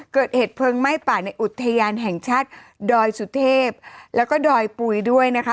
เกิดเหตุเพลิงไหม้ป่าในอุทยานแห่งชาติดอยสุเทพแล้วก็ดอยปุ๋ยด้วยนะคะ